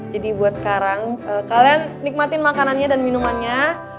jadi buat sekarang kalian nikmatin makanannya dan minumannya